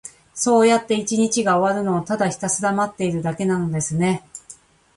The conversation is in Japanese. そうやって一日が終わるのを、ただひたすら待っているだけなのですね。